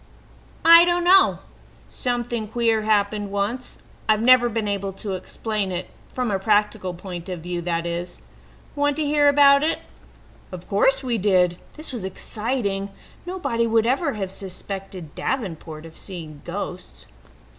"I don't know. Something queer happened once. I've never been able to explain it from a practical point of view, that is. Want to hear about it?" Of course we did. This was exciting. Nobody would ever have suspected Davenport of seeing ghosts.